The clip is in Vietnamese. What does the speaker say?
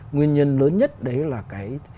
nguyên nhân lớn nhất đấy là cái